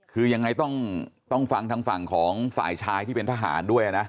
คือยังไงต้องฟังทางฝั่งของฝ่ายชายที่เป็นทหารด้วยนะ